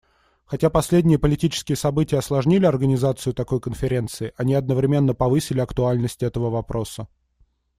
Хотя последние политические события осложнили организацию такой конференции, они одновременно повысили актуальность этого вопроса.